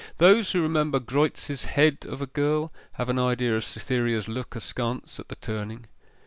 Those who remember Greuze's 'Head of a Girl,' have an idea of Cytherea's look askance at the turning.